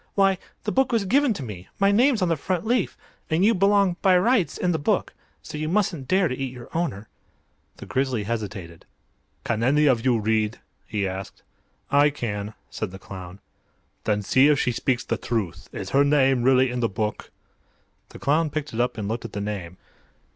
"Why, the book was given to me; my name's on the front leaf. And you belong, by rights, in the book. So you mustn't dare to eat your owner!" The Grizzly hesitated. "Can any of you read?" he asked. "I can," said the clown. "Then see if she speaks the truth. Is her name really in the book?" The clown picked it up and looked at the name.